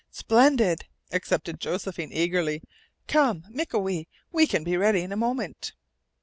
"Splendid!" accepted Josephine eagerly. "Come, Mikawe, we can be ready in a moment!"